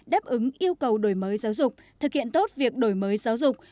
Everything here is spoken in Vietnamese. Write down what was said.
đáp ứng yêu cầu đổi mới giáo dục thực hiện tốt việc đổi mới giáo dục